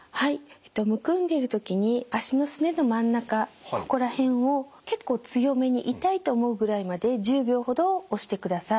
むくんでいる時に足のすねの真ん中ここら辺を結構強めに痛いと思うぐらいまで１０秒ほど押してください。